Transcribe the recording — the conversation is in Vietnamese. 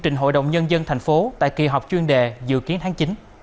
trình hội đồng nhân dân tp hcm tại kỳ họp chuyên đề dự kiến tháng chín